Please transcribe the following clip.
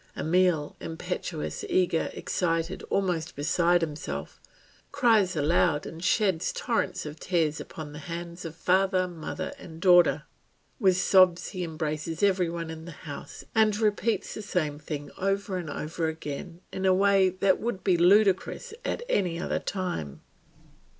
Emile, impetuous, eager, excited, almost beside himself, cries aloud and sheds torrents of tears upon the hands of father, mother, and daughter; with sobs he embraces every one in the house and repeats the same thing over and over again in a way that would be ludicrous at any other time.